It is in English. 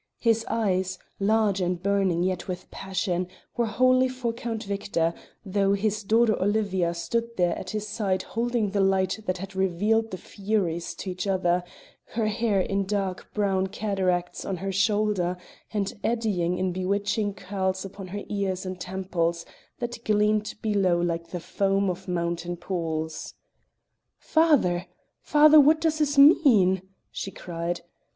His eyes, large and burning yet with passion, were wholly for Count Victor, though his daughter Olivia stood there at his side holding the light that had revealed the furies to each other, her hair in dark brown cataracts on her shoulders, and eddying in bewitching curls upon her ears and temples, that gleamed below like the foam of mountain pools. "Father! father! what does this mean?" she cried.